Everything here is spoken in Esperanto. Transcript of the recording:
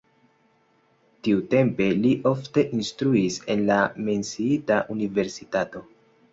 Tiutempe li ofte instruis en la menciita universitato.